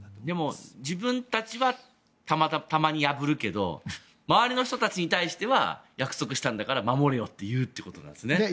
でも自分たちはたまに破るけど周りの人たちに対しては約束したんだから守れよって言うっていうことなんですね。